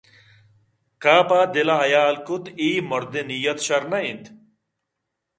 کافءَ دل ءَحیال کُت کہ اے مرد ءِ نیّت شرّ نہ اِنت